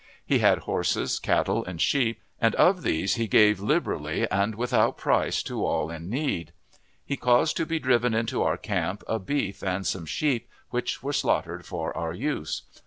He had horses, cattle, and sheep, and of these he gave liberally and without price to all in need. He caused to be driven into our camp a beef and some sheep, which were slaughtered for our use.